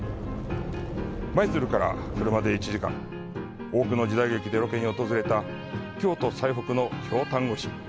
舞鶴から車で１時間、多くの時代劇でロケに訪れた京都最北の京丹後市。